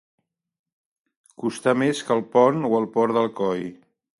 Costar més que el pont o el port d'Alcoi.